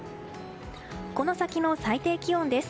この先の最低気温です。